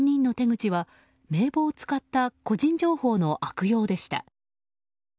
３人の手口は、名簿を使った個人情報の悪用でした。